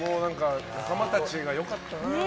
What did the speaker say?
仲間たちが良かったな。